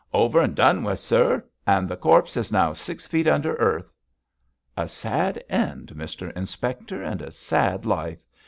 'Over and done with, sir; and the corpse is now six feet under earth.' 'A sad end, Mr Inspector, and a sad life.